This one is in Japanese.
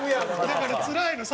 だからつらいの。